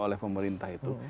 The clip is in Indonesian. oleh pemerintah itu